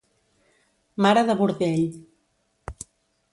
Mare de bordell.